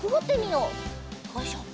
よいしょ。